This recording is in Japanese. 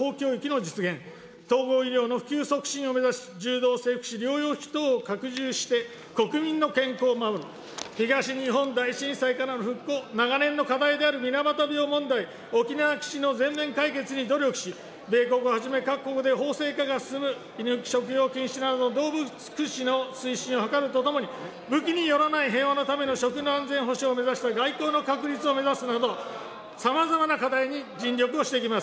実現、統合医療の普及促進を目指し、柔道整復師療養費等を拡充して、国民の健康を守る、東日本大震災からの復興、長年の課題である水俣病問題、沖縄基地の全面解決に努力し、米国をはじめ、各国で法制化が進む犬猫食用禁止などの動物福祉の推進を図るとともに、武器によらない平和のための食の安全保障を目指した外交の確立を目指すなど、さまざまな課題に尽力をしていきます。